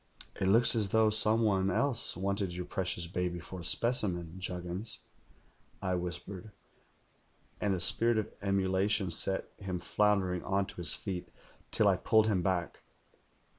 "'It looks as though some one else wanted your precious baby for a specimen. Juggins,' I whispered; and a spirit of emulation set him floundering on to his feet, till I pulled him back.